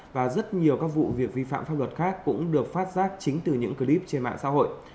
và rất nhiều các vụ việc vi phạm pháp luật khác cũng được phát giác chính từ những clip trên mạng xã hội